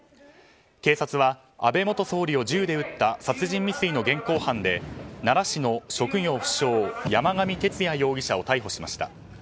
警察は、安倍元総理を銃で撃った殺人未遂の現行犯で奈良市の職業不詳山上徹也容疑者を逮捕しました。